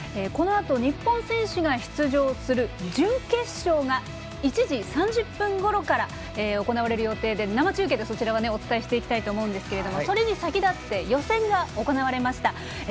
このあと日本選手が出場する準決勝が、１時３０分ごろから行われる予定で生中継でそちらはお伝えしていこうと思うんですがそれに先立って予選が行われました。